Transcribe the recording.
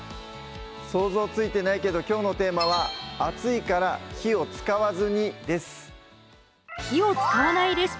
想像ついてないけどきょうのテーマは「暑いから火を使わずに」です